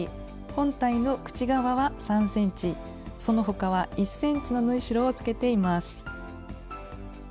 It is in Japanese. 本体の口側は３ｃｍその他は１ｃｍの縫い代をつけています。